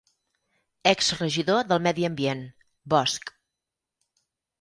>>ex-Regidor del Medi Ambient: Bosch.